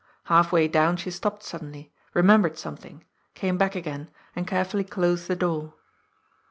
Half way down she stopped suddenly, remem bered something, came back again, and carefully closed the door.